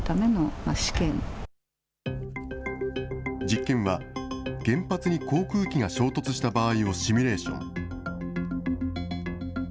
実験は原発に航空機が衝突した場合をシミュレーション。